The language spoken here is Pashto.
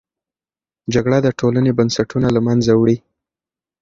جګړه د ټولنې بنسټونه له منځه وړي.